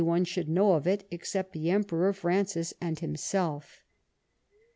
71 wish that anyone should know of it except the Emperor Francis and himself.